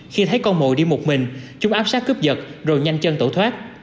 khi thấy con mội đi một mình chúng áp sát cướp vật rồi nhanh chân tổ thoát